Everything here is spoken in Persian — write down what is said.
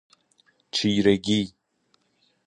چیرگی